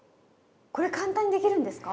これ簡単にできるんですか？